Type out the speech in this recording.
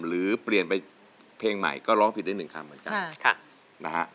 หรือเปลี่ยนไปเพลงใหม่ก็ร้องผิดได้หนึ่งคำเหมือนกันนะฮะ